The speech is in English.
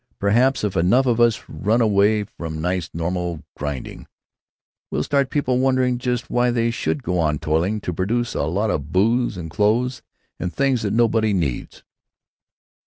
Perhaps if enough of us run away from nice normal grinding, we'll start people wondering just why they should go on toiling to produce a lot of booze and clothes and things that nobody needs."